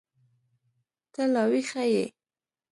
ته لا ويښه يې.